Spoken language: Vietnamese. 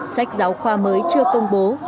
sách giáo khoa mới chưa công bố